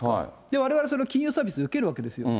われわれ、それ、金融サービス受けるわけですよ。